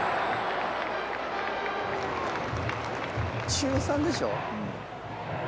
中３でしょ？